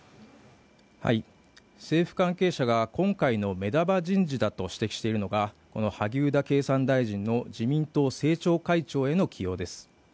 政府関係者が今回の目玉人事だと指摘しているのが萩生田経産大臣の自民党政調会長への起用です。